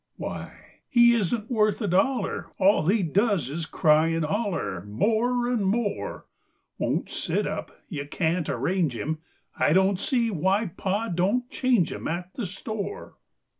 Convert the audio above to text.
Why, he isn't worth a dollar! All he does is cry and holler More and more; Won't sit up you can't arrange him, I don't see why Pa do'n't change him At the store.